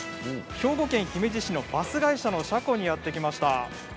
兵庫県姫路市のバス会社の車庫にやって来ました。